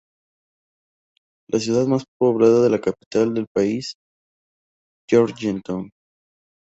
La ciudad más poblada es la capital del país, Georgetown.